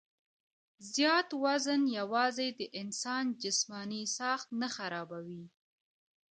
زيات وزن يواځې د انسان جسماني ساخت نۀ خرابوي